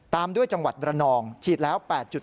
ตามด้วยจังหวัดระนองฉีดแล้ว๘๗